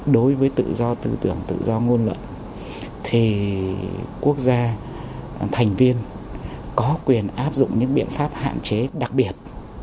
đối với tự do tư tưởng tự do ngôn luận thì quốc gia thành viên có quyền áp dụng những biện pháp hạn chế đặc biệt